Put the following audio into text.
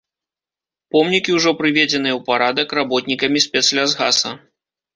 Помнікі ўжо прыведзеныя ў парадак работнікамі спецлясгаса.